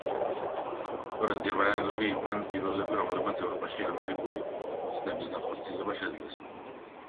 სწორედ გერმანელები იყვნენ პირველები, რომლებმაც ევროპაში ამერიკული ოცნების განხორციელება შეძლეს.